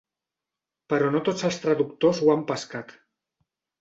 Però no tots els traductors ho han pescat.